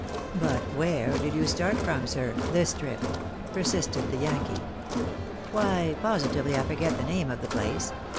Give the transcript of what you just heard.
"But where did you start from sir, this trip?" persisted the Yankee. " Why positively I forget the name of the place.